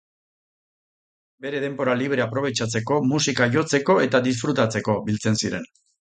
Bere denbora librea aprobetxatzeko musika jotzeko eta disfrutatzeko biltzen ziren.